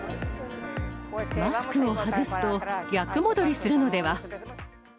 マスクを外すと、逆戻りするのでは。